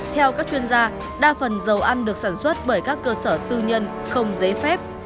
theo các chuyên gia đa phần dầu ăn được sản xuất bởi các cơ sở tư nhân không giấy phép